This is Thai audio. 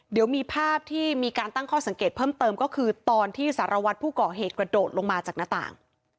เดี๋ยวมีภาพที่มีการตั้งข้อสังเกตเพิ่มเติมก็คือตอนที่สารวัตรผู้ก่อเหตุกระโดดลงมาจากหน้าต่าง